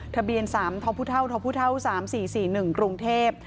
ทะเบียน๓ท้อพุท่าวท้อพุท่าว๓๔๔๑กรุงเทพฯ